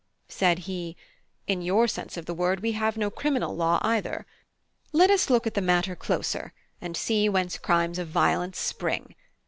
Said he: "In your sense of the word, we have no criminal law either. Let us look at the matter closer, and see whence crimes of violence spring.